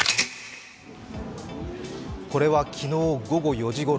これは昨日午後４時ごろ